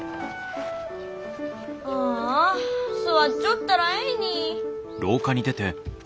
ああ座っちょったらえいに。